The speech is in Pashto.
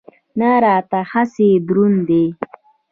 نه راته هسې دروند دی.